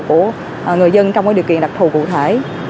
của người dân trong điều kiện đặc thù cụ thể